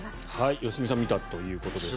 良純さん見たということですが。